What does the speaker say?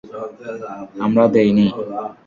আমরা দেই নি।